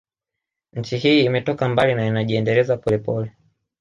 Nchi hii imetoka mbali na inajiendeleza polepole